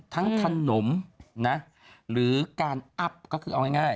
ทั้งขนมนะหรือการอัพก็คือเอาง่าย